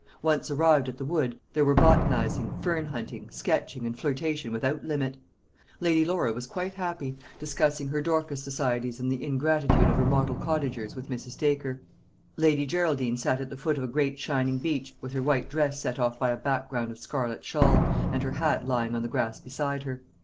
Once arrived at the wood, there were botanising, fern hunting, sketching, and flirtation without limit. Lady Laura was quite happy, discussing her Dorcas societies and the ingratitude of her model cottagers, with Mrs. Dacre; Lady Geraldine sat at the foot of a great shining beech, with her white dress set off by a background of scarlet shawl, and her hat lying on the grass beside her.